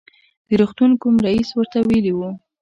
د روغتون کوم رئیس ورته ویلي و.